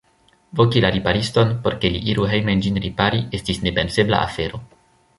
Voki la ripariston, por ke li iru hejmen ĝin ripari, estis nepensebla afero.